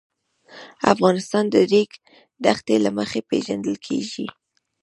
افغانستان د د ریګ دښتې له مخې پېژندل کېږي.